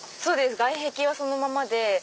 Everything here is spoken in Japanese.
外壁はそのままで。